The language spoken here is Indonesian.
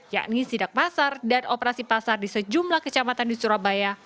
yakni sidak pasar dan operasi pasar di sejumlah kecamatan di surabaya